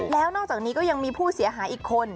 แล้วนอกจากนี้ก็ยังมีผู้เสียหายอีกคน